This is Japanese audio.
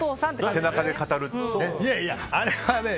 背中で語るっていうね。